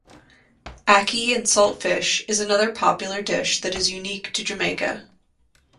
Ackee and saltfish is another popular dish that is unique to Jamaica.